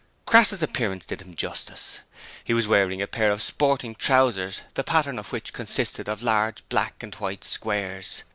Crass's appearance did him justice. He was wearing a pair of sporting trousers the pattern of which consisted of large black and white squares.